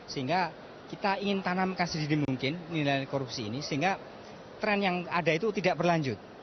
sehingga kita ingin tanamkan sendiri mungkin nilai korupsi ini sehingga tren yang ada itu tidak berlanjut